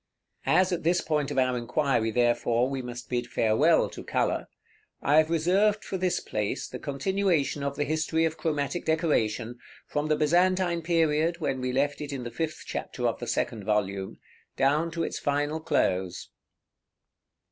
As at this point of our inquiry, therefore, we must bid farewell to color, I have reserved for this place the continuation of the history of chromatic decoration, from the Byzantine period, when we left it in the fifth chapter of the second volume, down to its final close.